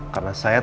karena saya tahu